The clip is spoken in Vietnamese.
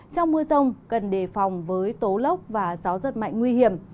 trong mưa rông cần đề phòng với tố lốc và gió giật mạnh nguy hiểm